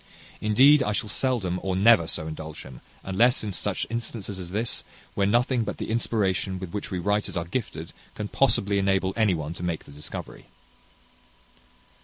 Indeed, I shall seldom or never so indulge him, unless in such instances as this, where nothing but the inspiration with which we writers are gifted, can possibly enable any one to make the discovery.